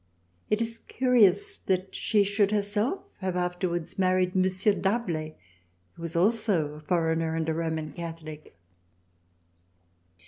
It is curious that she should herself have afterwards married M. D'Arblay who was also a foreigner and a Roman Catholic.